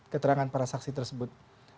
keterangan para saksi tersebut